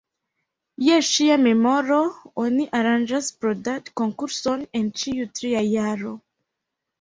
Je ŝia memoro oni aranĝas brodad-konkurson en ĉiu tria jaro.